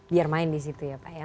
biar main di situ ya pak ya